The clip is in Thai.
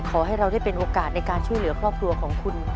ขอให้เราได้เป็นโอกาสในการช่วยเหลือครอบครัวของคุณ